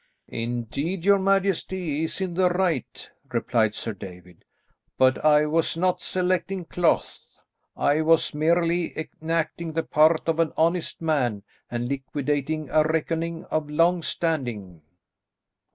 "Indeed your majesty is in the right," replied Sir David, "but I was not selecting cloth; I was merely enacting the part of an honest man, and liquidating a reckoning of long standing."